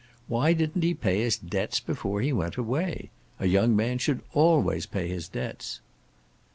Why didn't he pay his debts before he went away? A young man should always pay his debts."